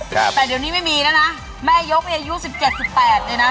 แต่เดี๋ยวนี้ไม่มีนะนะแม่ยกมีอายุ๑๗๑๘เลยนะ